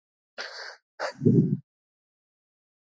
په دود او رواج د انسانانو هویت پېژندل کېږي.